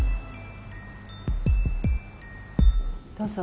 どうぞ。